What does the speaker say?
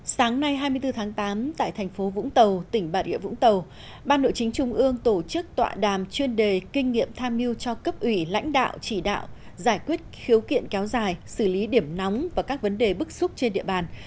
sáng nay hai mươi bốn tháng tám tại thành phố vũng tàu tỉnh bà rịa vũng tàu ban nội chính trung ương tổ chức tọa đàm chuyên đề kinh nghiệm tham mưu cho cấp ủy lãnh đạo chỉ đạo giải quyết khiếu kiện kéo dài xử lý điểm nóng và các vấn đề bức xúc trên địa bàn